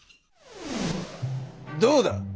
どうだ？